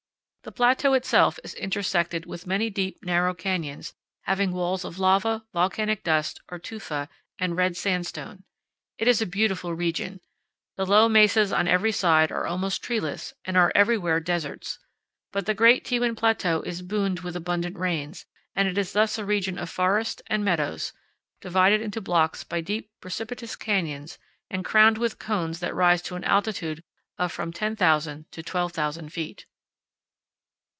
The plateau itself is intersected with many deep, narrow canyons, having walls of lava, volcanic dust, or tufa, and red sandstone. It is a beautiful region. The low mesas on every side are almost treeless and are everywhere deserts, but the great Tewan Plateau is booned with abundant rains, and it is thus a region of forests and meadows, divided into blocks by deep, precipitous canyons and crowned with cones that rise to an altitude of from 10,000 to 12,000 feet.